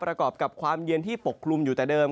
ประกอบกับความเย็นที่ปกคลุมอยู่แต่เดิม